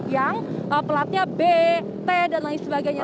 yang pelatnya b t dan lain sebagainya